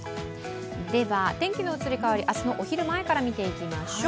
では、天気の移り変わり、明日のお昼前から見ていきましょう。